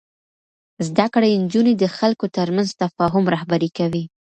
زده کړې نجونې د خلکو ترمنځ تفاهم رهبري کوي.